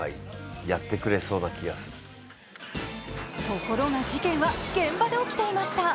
ところが事件は現場で起きていました。